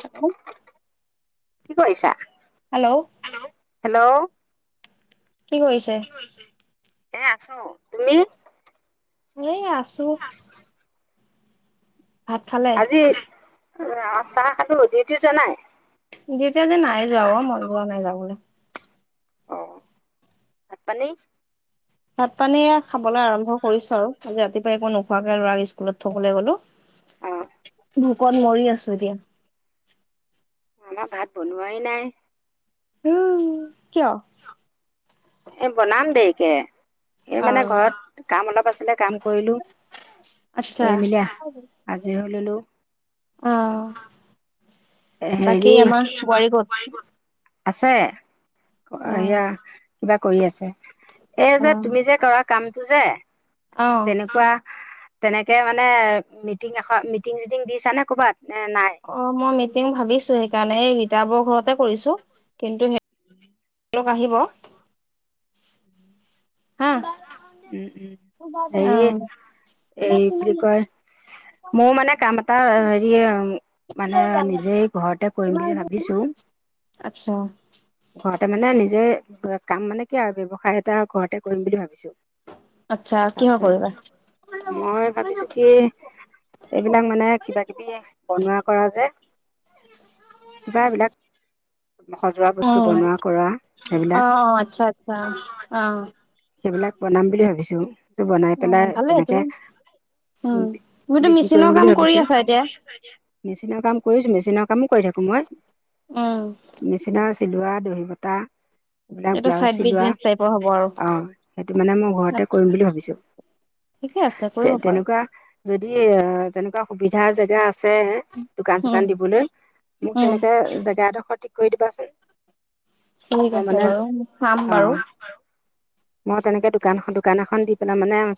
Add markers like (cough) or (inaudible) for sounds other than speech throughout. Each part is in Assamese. হেল্ল', কি কৰিছা? হেল্ল', হেল্ল', কি কৰিছে। এ', আছো তুমি? এই আ', - (unintelligible) ভাত খালে? আজি চাহ- খালো, ডিউটি যোৱা নাই? ডিউটি, নাই যোৱা মন যোৱা নাই যাও বুলি। অ', - ভাত -পানী ভাত- পানী এয়া খাবলৈ আৰম্ভ কৰিছো আৰু আজি ৰাতিপুৱাই একো নোখোৱাকে ল'ৰাক স্কুলত থবলৈ গ'লো। অ', ভোকত মৰি আছো এতিয়া। আমাৰ ভাত- বনোৱাই নাই। উম, ' এ', বনাম দেই, - কে, এই অ মানে ঘৰত কাম অলপ আছিলে কাম কৰিলো আচ্ছা কৰি মেলি আজৰি হলো ললো অ হেৰি বাকী আমাৰ বোৱাৰী ক'ত? আছে অ হেয়া কিবা কৰি আছে এ অ যে তুমি যে কৰা কাম পুজে অ তেনেকুৱা তেনেকে মানে মিটিং এশ মিটিং চিটিং দিছ নে কৰ'বাত অ মই মিটিং ভাবিছো সেইকাৰণে এই ৰিতা বৌক ঘৰতে কৰিছোঁ কিন্তু সে উম (inaudible) লগ আহিব হা উম উম অ হেৰি এই কি বুলি কয় মোৰ মানে কাম এটা হেৰি মানে নিজেই ঘৰতে কৰিম বুলি ভাবি আচ্ছা ঘৰতে মানে নিজে কাম মানে কি আৰু ব্যৱসায় এটা ঘৰতে কৰিম বুলি ভাবিছোঁ আচ্ছা কিহৰ কৰিবা? তাৰপিছত মই ভাবিছোঁ কি উম, এইবিলাক মানে কিবা কিবি বনোৱা কৰা যে কিবা বিলাক স অ আহ আহ আচ্ছা আচ্ছা আহ সেইবিলাক বনাম বুলি ভাবিছোঁ বনাই পেলাই ভালে এইটো তেনেকে উম, বি তুমিতো বিক্ৰী মেচিনৰ কৰিম বুলি কাম কৰি ভাবিছোঁ। আছা এতিয়া মেচিনৰ কাম কৰিছোঁ মেচিনৰ কামো কৰি থাকো মই, উম, মেচিনৰ চিলোৱা দহি বতা এইবিলাক এইটো ব্লাউজ চাইড চিলোৱা বিজনেচ টাইপৰ হ'ব আৰু আহ সেইটো মানে মই ঘৰতে কৰিম আচ্ছা বুলি ভাবিছোঁ ঠিকে আছে কৰিব তে পাৰা তেনেকুৱা যদি তেনেকুৱা সুবিধা জেগা আছে দোকান উম, চোকান দিবলৈ মোক উম, তেনেকে জেগা এডোখৰ ঠিক কৰি দিবাচোন ঠিক মই আছে মানে বাৰু চাম অ বাৰু মই তেনেকে দোকান এখ দোকান এখন দি পেলাই মানে আন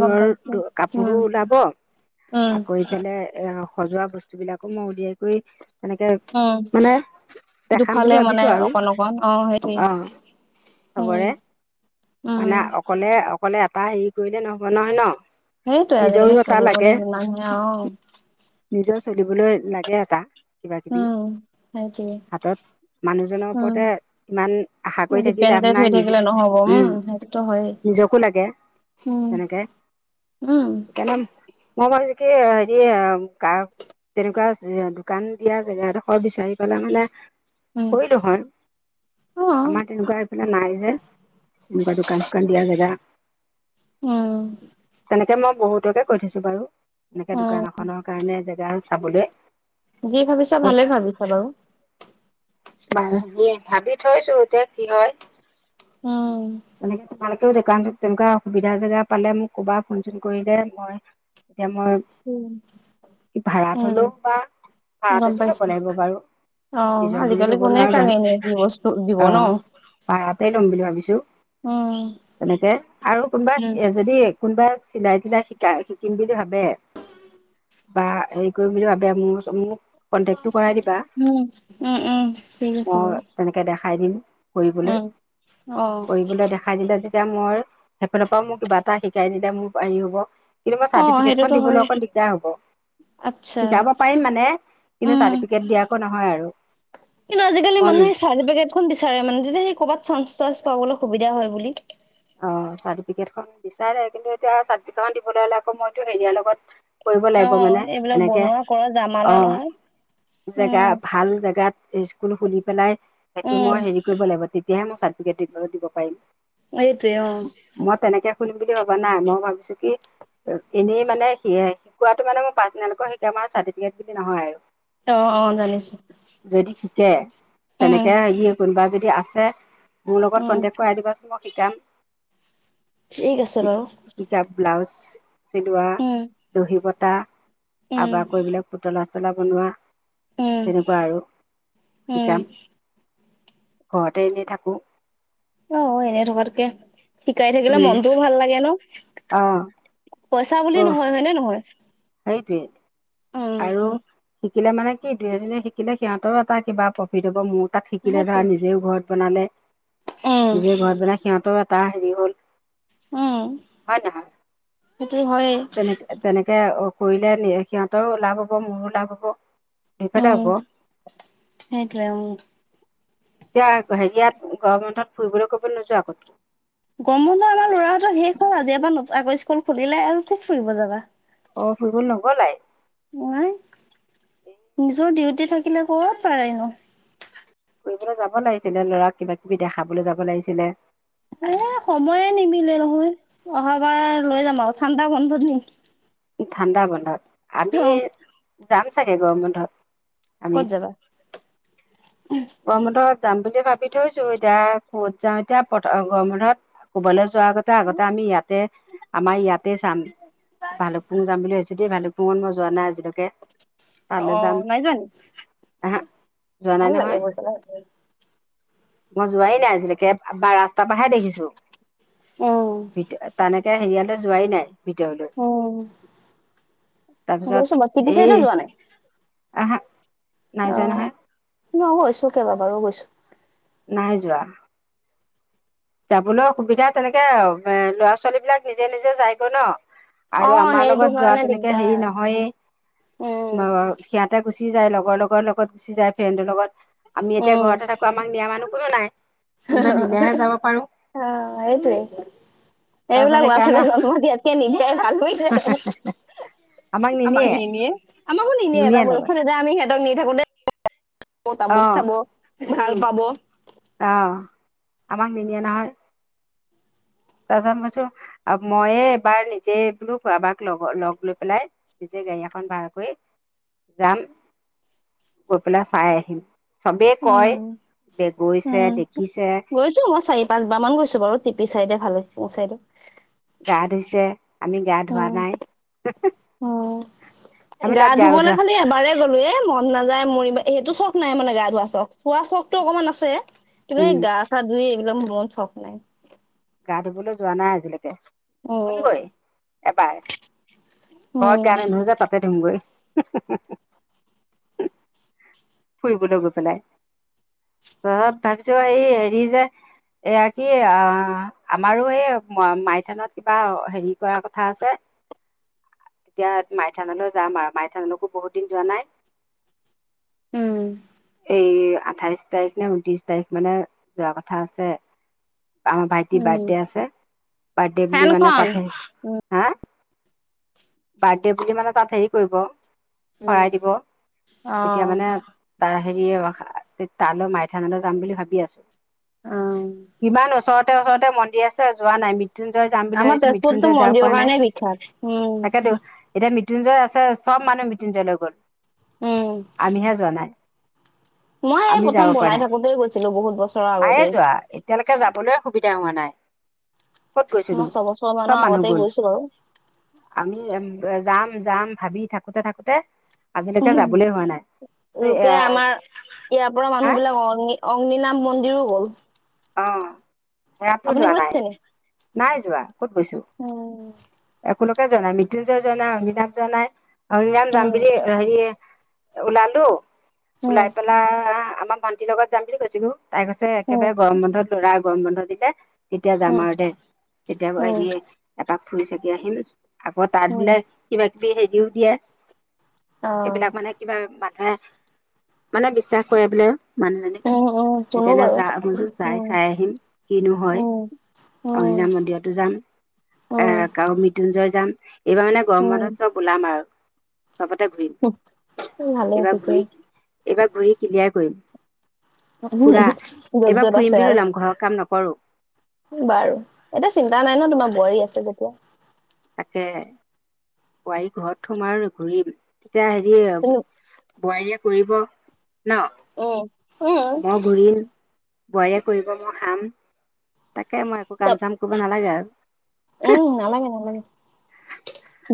গম পাইছো কাপোৰো উম, ওলাব উম, আ কৰি পেলাই সজোৱা বস্তুবিলাকো মই উলিয়াই কৰি তেনেকে উম মানে দেখাম বুলি দুফালে মানে ভাবিছো আৰু অকণ অকণ অ সেইটোৱেই অ উম চবৰে উম, মানে অকলে অকলে এটা হেৰি কৰিলে নহ'ব নহয় ন সেইটোয়ে নিজৰো আজিকালি এটা চলিবলে লাগে যিমানহে আৱ নিজৰ চলিবলৈ লাগে এটা কিবা কিবি উম, সেইটোৱে হাতত মানুহজনৰ উম, ওপৰতে ইমান আশা কৰি থাকি লাভ ডিপেণ্ডেণ্ট নাই হৈ নিজে থাকিলে নহ'ব উম সেইটোতো হয়েই নিজকো লাগে উম, তেনেকে উম, সেইকাৰণে মই ভাবিছোঁ কি হেৰি আ কাৰ তেনেকুৱা দোকান দিয়া জেগাডোখৰ বিচাৰি পালে মানে উম, কই দেখোন অ', আমাৰ তেনেকুৱা এইফালে নাই যে তেনেকুৱা দোকান চোকান দিয়া জেগা উম তেনেকে মই বহুতকে কৈ থৈছোঁ বাৰু এনেকে উম, দোকান এখনক কাৰণে জেগাও চাবলৈ যি ভাবিছা ভালে ভাবিছা বাৰু বাৰুদে ভাবি থৈছো এতিয়া কি হয় উম, তেনেকে তোমালোকেও দোকান তেনেকুৱা সুবিধা জেগা পালে মোক ক'বাত ফোন চোন কৰিলে মই, এতিয়া উম, মই ভাড়াত উম, হলেও বা গম ভাড়াটো পাইছো। বনাব বাৰু, অ', নিজৰ বুলি আজিকালি লব কোনে নোৱাৰো বাৰু কানে নিয়ে কি বস্তু দিব অ ন? ভাড়াতে লম বুলি ভাবিছো উম, তেনেকে আৰু কোনোবা উম, যদি কোনোবাই চিলাই টিলাই শিকাই শিকিম বুলি ভাবে বা হেৰি কৰিম বুলি ভাবে মোৰ মোক উম উম উম, ঠিক অ আছে বাৰু। তেনেকে দেখাই দিম কৰিবলৈ উম, অ', কৰিবলৈ দেখাই দিলে যে যেতিয়া মই সেইফালৰ পৰাও মোক কিবা এটা শিকাই দিলে মোৰ পাৰি হ'ব কেতিয়াবা অ', চাৰ্টিফিকেট খন সেইটোতো দিবলৈ হয়, অকণ দিগদাৰ হ'ব আচ্ছা, শিকাব পাৰিম মানে কিন্তু উম। চাৰ্টিফিকেট দিয়াৰ একো নহয় আৰু কিন্তু আজিকালি মই মানুহে চাৰ্টিফিকেটখন বিচাৰে মানে, তেতিয়া সেই কবাত চাঞ্চ তাঞ্চ পাবলৈ সুবিধা হয় বুলি, অ চটিফিকেট‌ খন বিচাৰে কিন্তু এতিয়া চাৰ্টিফিকেট দিবলৈ হ'লে আকৌ মইতো হেৰিয়াৰ লগত কৰিব লাগিব অ', মানে এইবিলাক এনেকে বনোৱা কৰা জামালা নহয়, আহ জেগা উম, ভাল জেগাত স্কুল খুলি পেলাই সেইটো উম, মই হেৰি কৰিব লাগিব তেত তেতিয়াহে মই চাৰ্টিফিকেট দিব পাৰিম। এই টোৱোই অ মই তেনেকে খুলিম বুলি ভবা নাই মই ভাবিছো কি এনেই মানে স শিকোৱাটো মানে মই পাৰ্চনেল কৈ শিকাম আৰু চাৰ্টিফিকেট বুলি নহয় আৰু অ অ জানিছো কে উম। তেনেকে আহি কোনোবা যদি আছে মোৰ লগত উম, কণ্টেক কৰাই দিবাচুন মোক কি কাম? ঠিক আছে বাৰু। ব্লাউজ উ চিলোৱা উম, দহিবত হোটা উম, আবাব কৰিবলৈ পুতলা মচলা বনোৱা উম, তেনেকুৱা আৰু, উম, শিকাম। ঘৰতে এনেই থাকো। অহ, এনে থকাতকে শিকাই থাকিলে উম মনটোও ভাল লাগে ন। অ পইচা বুলি অ নহয় হয়নে নহয়? সেইটোৱে। উম। আৰু শিকিলে মানে কি দুই এজনীয়ে শিকিলে সিহঁতৰ এটা কিবা প্ৰফিট হ'ব মূ তাত শিকিলে সেইটোৱে। ধৰা নিজেও ঘৰত বনালে উম, যিয়ে ঘৰত বনাই সিহঁত টো এটা হেৰি হ'ল অ। হয় নহয়, তেনেক তেনেকে কৰিলে সিহঁতৰো লাভ হ'ব, মোৰো লাভ হ'ব। দুইফালে উম, হ'ব সেইটোৱে উম। এতিয়া হেৰিয়াত গৰম বন্ধত ফুৰিবলৈ কবলৈ নোযোৱা আগত গৰম বন্ধ আমাৰ লৰাটোৰ শেষ হল আজি এটা (inaudible) স্কুল খুলিলে আৰু কত ফুৰিব যাবা। অ ফুৰিব নগলাই। নাই, নিজৰ ডিউটি থাকিলে ক'ত পাৰেনো। ফুৰিবলৈ যাব লাগিছিলে ল'ৰাক কিবা কিবি দেখাবলৈ যাব লাগিছিলে। এ সময়ে নিমিলে নহয়। অহাবাৰ লৈ যাম আৰু ঠাণ্ডা বন্ধত নিম। ঠাণ্ডা বন্ধত। আমি অ', যাম চাগে গৰম বন্ধত আমি ক'ত যাবা? গৰম বন্ধত যাম বুলি ভাবি থৈছো এতিয়া কত যাওঁ, এতিয়া পতক গৰম বন্ধত, কবলে যোৱাৰ আগতে আগতে আমি ইয়াতে, আমাৰ ইয়াতে চাম, ভালুকপুং যাম বুলি ভাবিছোঁ। তেতিয়া ভালুকপুং মই যোৱা নাই আজি লৈকে, তালৈ যাম, অ', নাই যোৱা নি? হা, যোৱা ভাল নাই লাগে নহয়। গৈ পেলাই। মই যোৱাই নাই আজিলৈকে বা ৰাস্তা পৰাহে দেখিছো। উম, ভ তা (unintelligible) নে এতিয়া হেৰিয়ালে যোৱাই নাই ভিতৰলৈ উম তাৰপিছত গৈছো মই টিপি চাইদে যোৱা নাই। আহহা। নাই যোৱা অ', নহয়। মই গৈছো কেইবা বাৰু গৈছো। নাই যোৱা। যাবলৈ সুবিধা তেনেকে আৰু এ ল'ৰা ছোৱালী বিলাক নিজে নিজে যাইগৈ ন। আৰু অ', আমাৰ সেইটো লগত যোৱা কাৰণে তেনেকে হেৰি দিগদাৰ। নহয়েই উম, সিহতে গুচি গুচি যায় লগৰ লগৰ লগত গুচি যায় ফ্ৰেণ্ডৰ লগত। আমি এতিয়া উম, ঘৰতে থাকো আমাক নিয়া মানুহ কোনো নাই কোনোবাই নিলেহে যাব। অ এইটোৱে এই বিলাক তাৰপিছত ল'ৰা ছোৱালী সেইকাৰণে জন্ম দিয়াত কৈ নিদিয়াহে ভাল। আমাক নিনিয়ে আমাকো নিনিয়ে এটা বয়সত এতিয়া আমি সিহঁতক নি থাকোতে। ক তা মুখ চাব। ভাল পাব। অহ আমাক নিনিয়ে নহয়। তাৰ য ব মইয়ে এবাৰ নিজে বোলো কাৰবাক লগ লগ লৈ পেলাই নিজে গাড়ী এখন ভাড়া কৰি যাম। গৈ পেলাই চাই আহিম। চবেই কয় উম দে গৈছে উম দেখিছে গৈছো মই চাৰি পাঁচবাৰ মান গৈছো বাৰু তে- পিছে এতিয়া ভালে দে পচাই দে। গা ধুইছে। আমি গা ধোৱা নাই। উম। আমি গা তাত ধুবলে ধোৱা খালি এবাৰেই গ'লো এ মন নাযায়। মৰিমা সেইটো চখ নাই মানে গা ধোৱা চখ খোৱা চখ টো অকণমান আছে। কিন্তু উম সেই গা চা ধুই একদম মন চখ নাই। গা ধুবলৈ যোৱা নাই আজিলৈকে। উম ধুমগৈ এবাৰ, ঘৰত উম গা নুধোওযে তাতে ধুমগৈ। হুম হুম (inaudible) ফুৰিবলৈ গৈ পেলাই, ত ভাবিছো এই হেৰি যে, এয়া কি আহ আমাৰো এই মাইথানত কিবা হেৰি কৰা কথা আছে, তেতিয়া মাইথানলৈ যাম আৰু মাইথানলৈকো বহুত দিন যোৱা নাই। উম। এই আঠাইশ তাৰিখ নে ঊনত্ৰিশ তাৰিখ মানে যোৱা কথা আছে আমাৰ ভাইটিৰ উম বাৰ্থডে আছে, বাৰ্থডে বুলি মানে ফেনখন তাতে, উম হা? বাৰ্থডে বুলি মানে তাত হেৰি কৰিব শৰাই উম দিব, অ তেতিয়া মানে হেৰিয়, তালৈ মাইথানলৈ যাম বুলি ভাবি আছো। অ ইমান ওচৰত ওচৰতে ওচৰতে মন্দিৰ আছে যোৱা নাই মৃ- আমাৰ তেজপুৰতো মন্দিৰৰ কাৰণে বিখ্যাত। উম তাকেতো এতিয়া মৃত্যুঞ্জয় আছে চব মানুহ মৃত্যুঞ্জয়লৈ গল। উম আমিহে যোৱা নাই। মই আমি যাব প্ৰথম পৰা বনাই নাই থাকোতেই গৈছিলো বহুত বছৰৰ আগতেই। তিয়া হোৱা নাই। ক'ত গৈছ তুমি, ছবছৰ চব মানৰ মানুহ আগতে গল, গৈছো বাৰু আমি যাম যাম ভাবি থাকোতে থাকোতে আজিলৈকে যাবলৈ হোৱা নাই। লোকে আমাৰ ইয়াৰ পৰা হা মানুহ বিলাক, অ নীলা মন্দিৰো গ'ল। অ। ৰাতো আপুনি যোৱা নাই। গৈছে নি নাই যোৱা। উম। কোনোকে যোৱা নাই, মৃত্যুঞ্জয় যোৱা নাই, অগিতাম যোৱা নাই অগীৰাম কাম উম, বুলি হেৰিয়ে ওলালো উম, ওলাই পেলা, আমা ভানটিৰ লগত যাম বুলি কৈছিলো। তাই কৈছে, উম, একেবাৰে গৰমতে ধৰা গৰম বন্ধ দিলে তেতিয়া যাম উম, আৰু দে, তেতিয়া উম, হেৰিয়ে তাক ফুৰি চাগি আহিম। আকৌ তাত উম, বিলাক কিবা বিহে দিও দিয়া। অ', এইবিলাক মানে কিবা মান এ, মানে বিশ্বাস কৰে বোলে আৰু- মানুহজনী, উম, উম, শুনো সেইকাৰণে বাৰু যা কথাটো শুনছো চাই উম, চাই আহিম, কিনো হয় উম, উম, অইনা মন্দিৰতো যাম, এ উম, ক মৃত্যু জয় যাম এইবাৰ মানে গৰম উম, বন্ধত চব ওলাম আৰু চবতে ঘূৰিম হুহ, ভালে এইবাৰ তেতিয়া ঘূৰি এইবাৰ ঘূৰি ক্লিয়াৰ কৰিম উ উ জত জত আজে বি লাম ঘৰ কাম নকৰো বাৰু এতিয়া চিন্তা নাই ন তোমাৰ বোৱাৰী আছে যেতিয়া তাকে বোৱাৰী ঘৰত সোম আৰু ঘূৰি তেতি হেৰি তুমি বোৱাৰীয়ে কৰিব ন উম, উম, মই ঘূৰিম বোৱাৰীয়ে কৰিব মই খাম তাকে মই একো কাম তা- চাম কৰিব নালাগে আৰু উম নালাগে নালাগে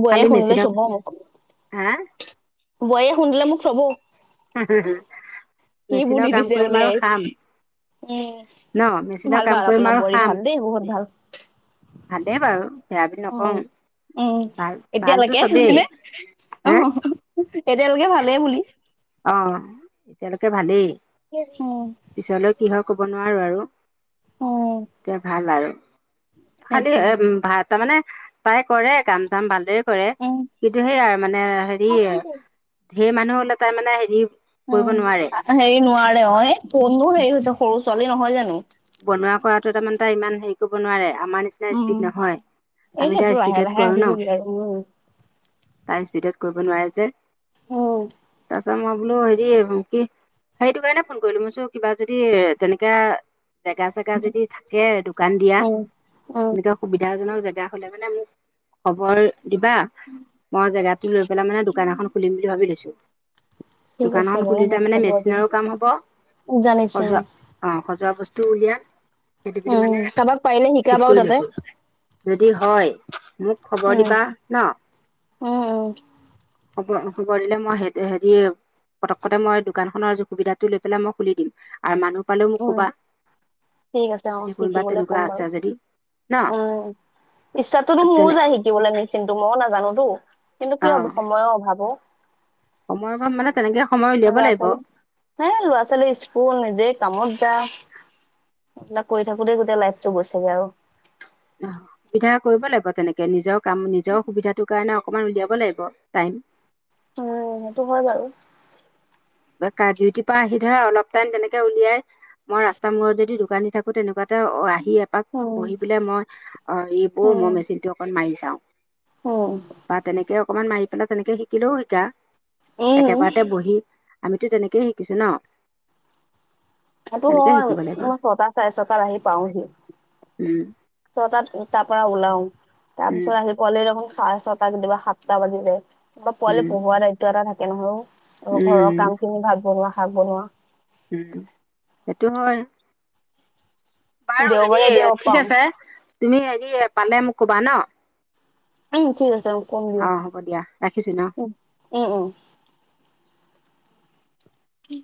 বোৱাৰীয়ে খালি শুনিলে মেচিনৰ থব মোক হা বোৱাৰীয়ে শুনিলে মোক থব হে হে হে কিবোৰ দি মেচিনৰ কাম দিছে কৰিম বোলে আৰু খাম উম, ন মেচিনৰ ভাল কাম ভাল কৰিম আপোনাৰ আৰু বোৱাৰী ভাল খাম দেই বহুত ভাল ভালেই বাৰু বেয়া। বুলি উ নকওঁ উম ভাল ভালতো চবেই এতিয়ালৈকেনে অ। হা এতিয়ালকে ভালেই বুলি। তেওঁলোকে ভালেই উম পিছলৈ কি হয় ক'ব নোৱাৰো আৰু উম এতিয়া ভাল আৰু। খালি সেইটোৱে এ ভাত তাৰমানে তাই কৰে কাম চাম ভালদৰে। কৰে উম কিন্তু সেইয়াই মানে হেৰি। উম ধেৰ মানুহ হ'লে তাৰমানে হেৰি কৰিব উম নোৱাৰে সেৰি নোৱাৰে অ এ। মোৰ হেৰি হৈছে সৰু ছোৱালী নহয় জানো। বনোৱা কৰাটো তাৰমানে তাই ইমান হেৰি কৰিব নোৱাৰে। আমাৰ নিচিনা স্পীড নহয় এই আমি সেইটো তাৰ লাহে স্পীডত লাহে কৰো ন আহিবগে আৰু উম তাৰ স্পীডত নোৱাই আছে অ আচ্ছা মই বোলো হেৰি কি সেইটো কাৰণে ফোন কৰিলো মইছো কিবা যদি তেনেকে জেগা চেগা যদি থাকে দোকান দিয়া উম, তেনেকে সুবিধা দিয়া জনক জেগা হলে মানে মোক খবৰ দিবা মই জেগাটো লৈ পেলাই মানে দোকান এখন খুলিম বুলি ভাবি লৈছো ঠিক দোকান আছে খন বাৰু খুলি তাৰ মোক মানে খবৰ দিম মেচিনৰো কাম হব জানিছো সজোৱা অ সজোৱা বস্তু টো উলিয়া সেইটো বুলি উম মানে কাৰোবাক পাৰিলে শিকা ঠিক বাৰু কৰি তাতে লৈছো যদি হয় মোক খবৰ উম দিবা ন উম উম খবৰ খবৰ দিলে মই হেৰি পতককতে মই দোকানখনৰ সুবিধাটো লৈ পেলাই মই খুলি দিম আৰু মানুহ পালেও মোক উম ক'বা ঠিক আছে অ যদি কোনোবা শিকিবলৈ তেনেকুৱা কম বাৰু আছে যদি ন উম ইচ্ছাটোতো মোও তেনে যায় শিকিবলৈ মিছ কিন্তু মইও নাজানো ৰ কিন্তু অ কি হব সময়ো অভাৱো সময় অভাৱ মানে তেনেকেই হব সেই লৰা ছোৱালী স্কুল নিজেই কামত যা এইবিলাক কৰি থাকোতে গোটেই লাইফটো গৈছেগে আৰু অ সুবিধা কৰিব লাগিব তেনেকে নিজক কাম নিজৰ সুবিধাটো কাৰণে অকমান উলিয়াব লাগিব টাইম উম সেইটো হয় বাৰু ডিউটিৰ পৰা আহি ধৰা অলপ টাইম তেনেকে উলিয়াই মই ৰাস্তাৰ মূৰত যদি দোকান দি থাকো তেনেকুৱা- আহি এপাক উম বহি পেলাই মই অৰি বৌ উম মই মেচিন টো অকণ মাৰিছ- উম বা তেনেকে অকমান মাৰি পেলাই তেনেকে শিকিলেও শিকা উম একেবাৰতে বহি আমিতো তেনেকে শিকিছো ন এইটো ম তেনেকে শিকিব লাগিব মই ছটা চাৰে ছটাত আহি পাওহি- উম ছটাত তাৰ পৰা উলাও উম তাৰপিছত আহি পোৱাই নাইচোন হয় ছটা কেতিয়াবা সাতটা বাজি যায় আমা পোৱালিক উম পঢ়োৱা দায়িত্ব এটা থাক একে নহয় অও অ ঘৰৰ উম কামখিনি ভাত বনোৱা শাক বনোৱা উম সেইটো হয় বাৰু দেওবাৰে হেৰি এতিয়া অফ ঠিক পাওঁ আছে তুমি হেৰি পালে মোক কবা ন উম ঠিক আছে কম অ দিয়ক হ'ব দিয়া ৰাখিছো ন উম উম কি